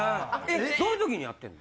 どういうときにやってんの？